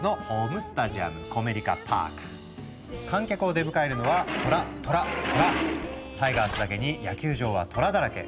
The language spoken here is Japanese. お次は観客を出迎えるのはタイガースだけに野球場は虎だらけ。